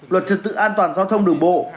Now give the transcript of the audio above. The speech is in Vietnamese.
luật trực tự an toàn giao thông đường bộ